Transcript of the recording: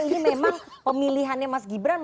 ini memang pemilihannya mas gibran